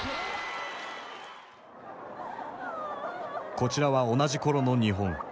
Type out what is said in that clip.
こちらは同じ頃の日本。